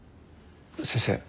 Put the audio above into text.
先生。